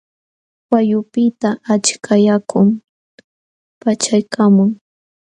Wayqupiqta achka yakum paqchaykaamun.